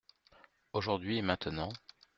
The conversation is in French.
Aujourd’hui et maintenant.